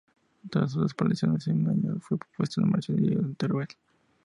Tras su desaparición, ese mismo año fue puesto en marcha el "Diario de Teruel".